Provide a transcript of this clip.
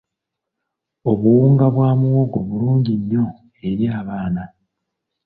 Obuwunga bwa muwogo bulungi nnyo eri abaana.